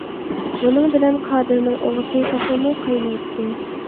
بۇنىڭ بىلەن قادىرنىڭ ئوغىسى تېخىمۇ قاينايتتى.